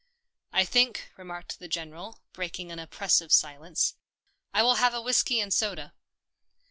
" I think," remarked the General, breaking an oppressive silence, " I will have a whiskey and soda."